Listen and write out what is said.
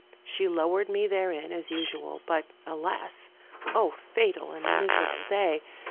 She lowered me therein, as usual, but, alas! fatal and miserable day!